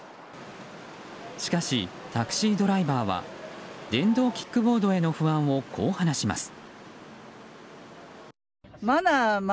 しかし、タクシードライバーは電動キックボードへの不安をこう話します。